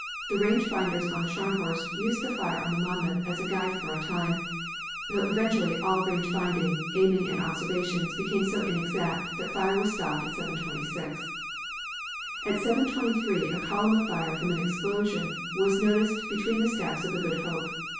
The range finders on the Scharnhorst used the fire on the Monmouth as a guide for a time, though eventually all range finding, aiming and observations became so inexact that fire was stopped at 7.26. At 7.23 a column of fire from an explosion was noticed between the stacks of the Good Hope.